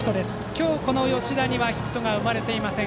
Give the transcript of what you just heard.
今日、吉田にはヒットが生まれていません。